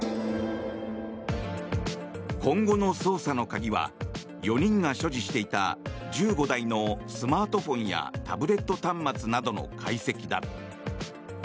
今後の捜査の鍵は４人が所持していた１５台のスマートフォンやタブレット端末などの解析だ。